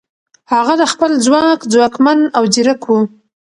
هغه د خپل ځواک ځواکمن او ځیرک و.